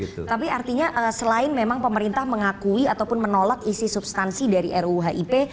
tapi artinya selain memang pemerintah mengakui ataupun menolak isi substansi dari ruhip